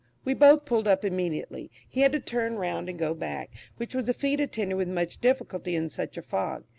We both pulled up immediately; he had to turn round and go back, which was a feat attended with much difficulty in such a fog.